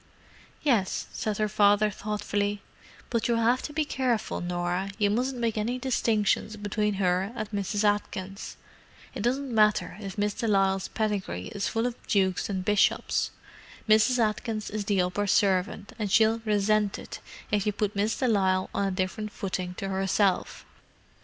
"Yes," said her father thoughtfully. "But you'll have to be careful, Norah; you mustn't make any distinctions between her and Mrs. Atkins. It doesn't matter if Miss de Lisle's pedigree is full of dukes and bishops—Mrs. Atkins is the upper servant, and she'll resent it if you put Miss de Lisle on a different footing to herself."